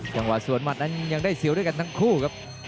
จังหวะส่วนมัดนั้นยังได้เสี่ยวด้วยผู้ทรีย์ครับ